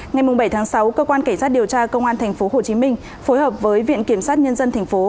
ngày bảy tháng sáu cơ quan cảnh sát điều tra công an tp hcm phối hợp với viện kiểm sát nhân dân tp